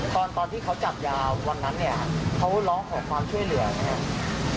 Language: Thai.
ตอนที่เขาจับยาวันนั้นเนี่ยเขาร้องขอความช่วยเหลือไหมครับ